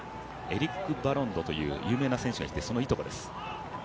エリック・バロンドという有名な選手がいて、そのいとこです。